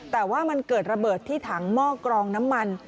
แต่ว่ามันเกิดระเบิดที่ถังหม้อกรองน้ำมัน